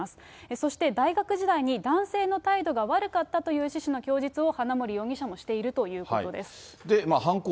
そして大学時代に、男性の態度が悪かったという趣旨の供述を、花森容疑者もしているということです。